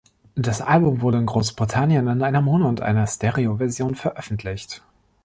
Das Album wurde in Großbritannien in einer Mono- und in einer Stereoversion veröffentlicht.